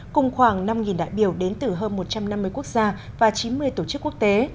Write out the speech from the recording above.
cùng khoảng năm đại biểu đến từ hơn một trăm năm mươi quốc gia và chín mươi tổ chức quốc tế